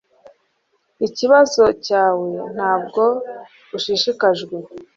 Ikibazo cyawe ntabwo ushishikajwe